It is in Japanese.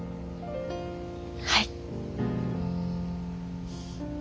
はい。